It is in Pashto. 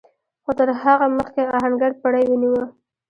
خو تر هغه مخکې آهنګر پړی ونيو.